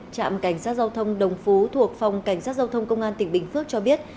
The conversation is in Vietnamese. trạm cảnh sát giao thông đồng phú thuộc phòng cảnh sát giao thông công an tỉnh bình phước cho biết